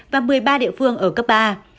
và một mươi ba địa phương ở cấp ba